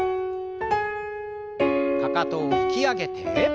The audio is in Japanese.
かかとを引き上げて。